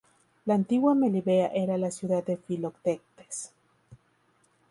La antigua Melibea era la ciudad de Filoctetes.